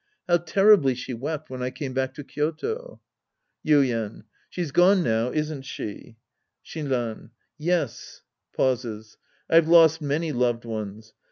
How terribly she wept when I came back to Kyoto ! Yuien. She's gone now, isn't she ? Shinran. Yes. {Pauses.) I've lost many loved ones.